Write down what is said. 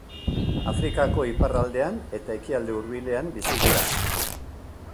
Afrikako iparraldean eta Ekialde Hurbilean bizi dira.